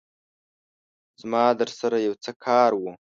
زما درسره يو څه کار وو